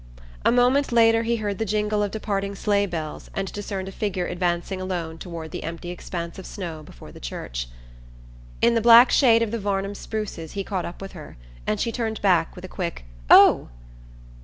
A moment later he heard the jingle of departing sleigh bells and discerned a figure advancing alone toward the empty expanse of snow before the church. In the black shade of the Varnum spruces he caught up with her and she turned with a quick "Oh!"